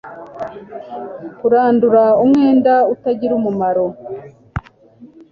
Kurandura umwenda utagira umumaro